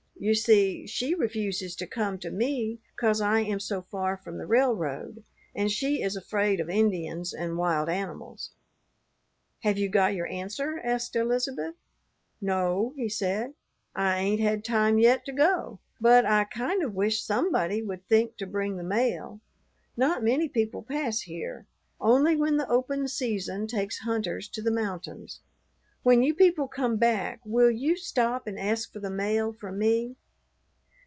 You see, she refuses to come to me 'cause I am so far from the railroad, and she is afraid of Indians and wild animals." "Have you got your answer?" asked Elizabeth. "No," he said, "I ain't had time yet to go, but I kind of wish somebody would think to bring the mail. Not many people pass here, only when the open season takes hunters to the mountains. When you people come back will you stop and ask for the mail for me?"